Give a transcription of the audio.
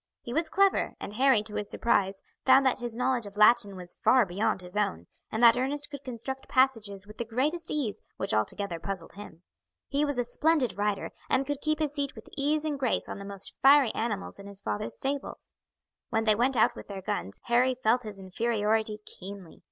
He was clever, and Harry, to his surprise, found that his knowledge of Latin was far beyond his own, and that Ernest could construct passages with the greatest ease which altogether puzzled him. He was a splendid rider, and could keep his seat with ease and grace on the most fiery animals in his father's stables. When they went out with their guns Harry felt his inferiority keenly.